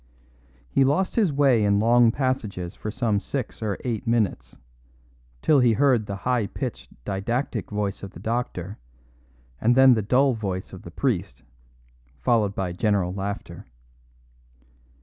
He lost his way in long passages for some six or eight minutes: till he heard the high pitched, didactic voice of the doctor, and then the dull voice of the priest, followed by general laughter.